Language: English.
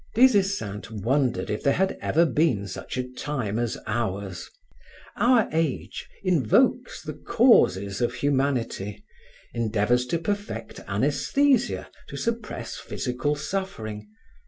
Des Esseintes wondered if there had ever been such a time as ours. Our age invokes the causes of humanity, endeavors to perfect anaesthesia to suppress physical suffering.